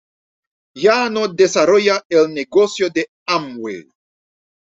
Ya no desarrolla el negocio de Amway.